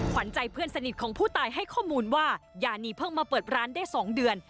ขวัญใจเพื่อนสนิทของผู้ตายให้ข้อมูลว่ายานีเพิ่งมาเปิดร้านได้๒เดือน